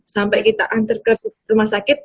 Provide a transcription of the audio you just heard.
sampai kita antar ke rumah sakit